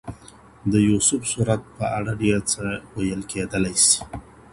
د يوسف سورت په اړه ډير څه ويل کېدلای سي.